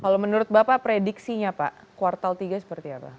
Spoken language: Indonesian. kalau menurut bapak prediksinya pak kuartal tiga seperti apa